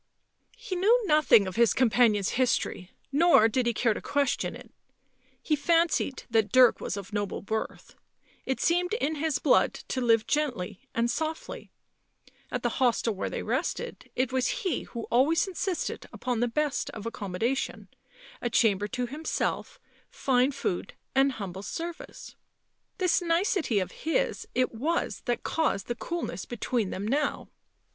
! He knew nothing of his companion's history, nor did he care to question it ; he fancied that Dirk was of noble birth ; it seemed in his blood to live gently and softly ; at the hostel where they rested, it was he who always insisted upon the best of accommodation, a chamber to himself, fine food and humble service. This nicety of his it was that caused the coolness between them now.